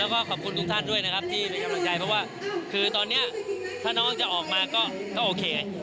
แล้วก็ขอบคุณทุกท่านด้วยนะครับที่เป็นกำลังใจเพราะว่าคือตอนนี้ถ้าน้องจะออกมาก็โอเค